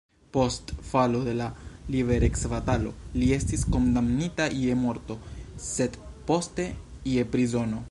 Post falo de la liberecbatalo li estis kondamnita je morto, sed poste je prizono.